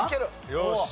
よし。